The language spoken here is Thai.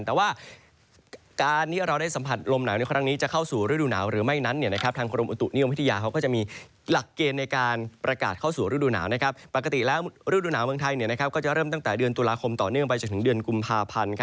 ปกติแล้วฤดูหนาวเมืองไทยเหนือก็จะเริ่มตั้งแต่เดือนตุลาคมต่อเนื่องไปจนถึงเดือนกุมภาพันธ์